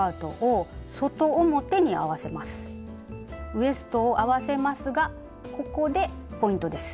ウエストを合わせますがここでポイントです。